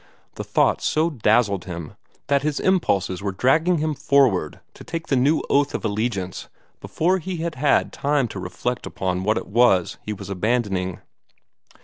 The thought so dazzled him that his impulses were dragging him forward to take the new oath of allegiance before he had had time to reflect upon what it was he was abandoning.